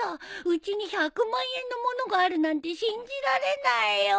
うちに１００万円の物があるなんて信じられないよ。